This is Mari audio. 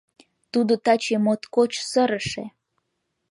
Тудо таче моткоч сырыше.